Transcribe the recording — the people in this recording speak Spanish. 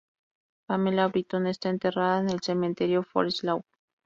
Pamela Britton está enterrada en el Cementerio Forest Lawn.